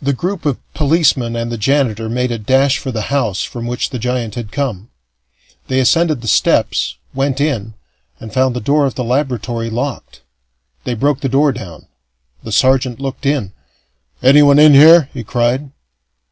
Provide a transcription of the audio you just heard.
The group of policemen and the janitor made a dash for the house from which the giant had come. They ascended the steps, went in, and found the door of the laboratory locked. They broke the door down. The sergeant looked in. "Anyone in here?" he cried.